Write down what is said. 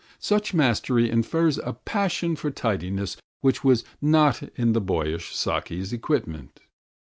Such mastery infers a passion for tidiness which was not in the boyish Saki's equipment.